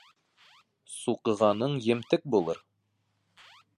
Суҡығаның емтек булыр.